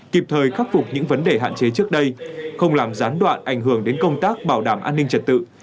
kịp thời khắc phục những vấn đề hạn chế trước đây không làm gián đoạn ảnh hưởng đến công tác bảo đảm an ninh trật tự